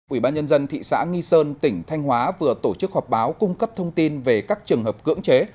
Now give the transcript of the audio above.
ủy ban nhân dân thị xã nghi sơn tỉnh thanh hóa vừa tổ chức họp báo cung cấp thông tin về các trường hợp cưỡng chế